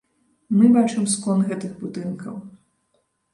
Мы бачым скон гэтых будынкаў.